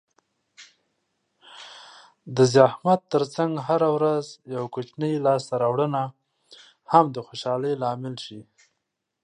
د زحمت ترڅنګ هره ورځ یوه کوچنۍ لاسته راوړنه هم د خوشحالۍ لامل شي.